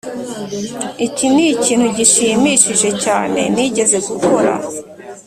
iki nikintu gishimishije cyane nigeze gukora.